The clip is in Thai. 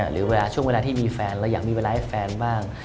หรือเวลาช่วงเวลาที่มีแฟนเราอยากมีเวลาให้แฟนบ้าง